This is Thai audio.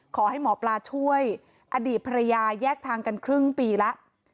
ขอให้หมอปลาช่วยอดีตภรรยาแยกทางกันครึ่งปีแล้ว